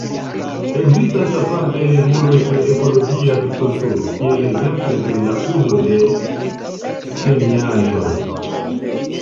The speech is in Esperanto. Ekzistas apartaj reguloj pri ekologia agrikulturo, kiel ekzemple pri la uzo de kemiaĵoj.